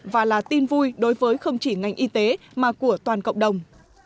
và là tin vui đối với không chỉ ngành y tế mà của toàn cộng đồng